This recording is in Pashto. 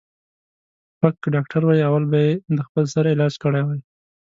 ـ پک که ډاکتر وای اول به یې د خپل سر علاج کړی وای.